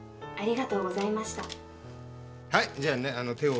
「はい。